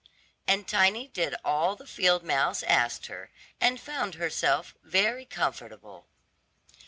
And Tiny did all the field mouse asked her, and found herself very comfortable.